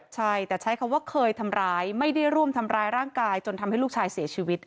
ใช่แต่ใช้คำว่าเคยทำร้ายไม่ได้ร่วมทำร้ายร่างกายจนทำให้ลูกชายเสียชีวิต